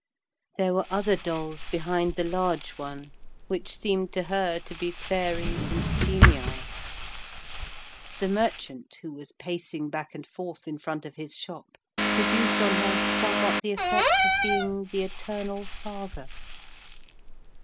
There were other dolls behind the large one, which seemed to her to be fairies and genii. The merchant, who was pacing back and forth in front of his shop, produced on her somewhat the effect of being the Eternal Father.